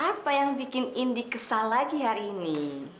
apa yang bikin indi kesal lagi hari ini